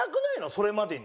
それまでに。